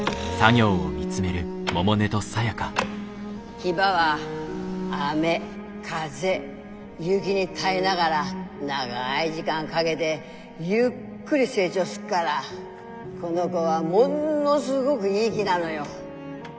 ヒバは雨風雪に耐えながら長い時間かげでゆっくり成長すっからこの子はもんのすごぐいい木なのよ。